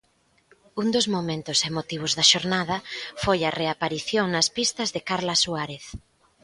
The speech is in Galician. Un dos momentos emotivos da xornada foi a reaparición nas pistas de Carla Suárez.